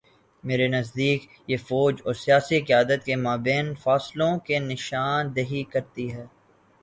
میرے نزدیک یہ فوج اور سیاسی قیادت کے مابین فاصلوں کی نشان دہی کرتی ہے۔